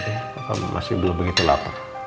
apakah masih belum begitu lapar